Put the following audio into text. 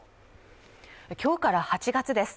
今日から８月です